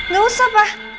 gak usah pak